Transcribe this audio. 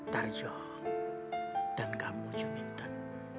tarjo dan kamu juminten